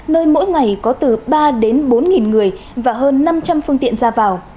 nơi mỗi ngày có từ ba đến bốn người và hơn năm trăm linh phương tiện ra vào